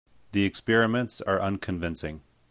The experiments are unconvincing.